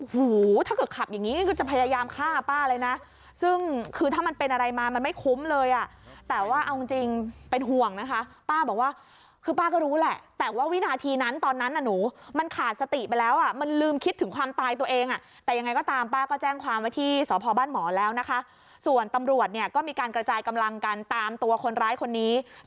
หูถ้าเกิดขับอย่างนี้ก็จะพยายามฆ่าป้าเลยนะซึ่งคือถ้ามันเป็นอะไรมามันไม่คุ้มเลยอ่ะแต่ว่าเอาจริงเป็นห่วงนะคะป้าบอกว่าคือป้าก็รู้แหละแต่ว่าวินาทีนั้นตอนนั้นน่ะหนูมันขาดสติไปแล้วอ่ะมันลืมคิดถึงความตายตัวเองอ่ะแต่ยังไงก็ตามป้าก็แจ้งความไว้ที่สพบ้านหมอแล้วนะคะส่วนตำรวจเนี่ยก็มีการกระจายกำลังกันตามตัวคนร้ายคนนี้